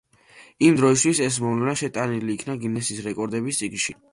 იმ დროისთვის ეს მოვლენა შეტანილი იქნა გინესის რეკორდების წიგნში.